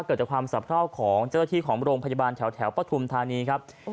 เกิดจากความสับเท่าของเจ้าที่ของโรงพยาบาลแถวประถุมธานีครับ